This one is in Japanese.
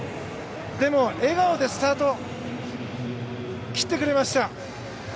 でも、笑顔でスタート切ってくれました。